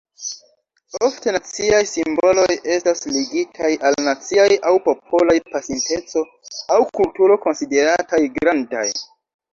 Ofte naciaj simboloj estas ligitaj al naciaj aŭ popolaj pasinteco aŭ kulturo konsiderataj "grandaj".